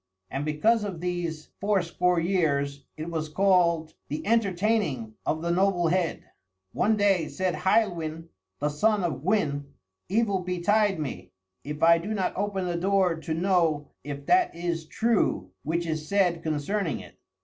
And because of these fourscore years, it was called "The Entertaining of the Noble Head." One day said Heilwyn the son of Gwyn, "Evil betide me, if I do not open the door to know if that is true which is said concerning it."